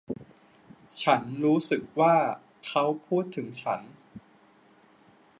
ฉันรู้สึกว่าเค้าพูดถึงฉัน